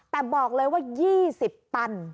แต่บอกเลยว่า๒๐ตัน